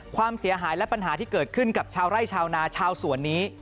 ความเสียหายและปัญหาที่เกิดขึ้นกับชาวไร่ชาวนาชาวสวนนี้